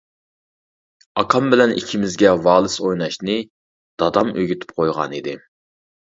ئاكام بىلەن ئىككىمىزگە ۋالىس ئويناشنى دادام ئۆگىتىپ قويغان ئىدى.